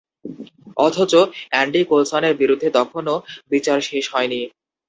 অথচ, অ্যান্ডি কুলসনের বিরুদ্ধে তখনো বিচার শেষ হয়নি।